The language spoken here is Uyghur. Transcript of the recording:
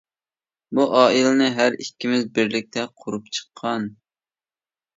بۇ ئائىلىنى ھەر ئىككىمىز بىرلىكتە قۇرۇپ چىققان.